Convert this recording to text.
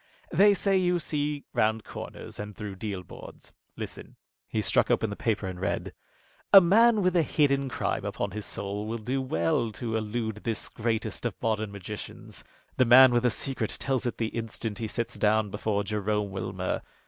"They say you see round corners and through deal boards. Listen." He struck open the paper and read: "'A man with a hidden crime upon his soul will do well to elude this greatest of modern magicians. The man with a secret tells it the instant he sits down before Jerome Wilmer.